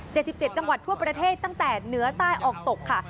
สิบเจ็ดจังหวัดทั่วประเทศตั้งแต่เหนือใต้ออกตกค่ะ